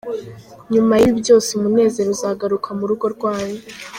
Nyuma y’ibi byose umunezero uzagaruka mu rugo rwanyu.